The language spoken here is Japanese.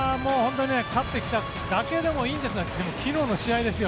勝ってきただけでもいいんですが昨日の試合ですよ。